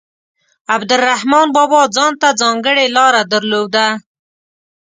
عبدالرحمان بابا ځانته ځانګړې لاره درلوده.